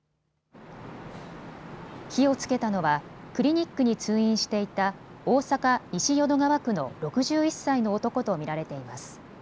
火をつけたのはクリニックに通院していた大阪西淀川区の６１歳の男と見られています。